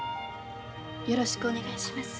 よろしくお願いします。